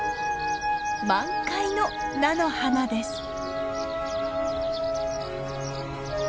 満開の菜の花です。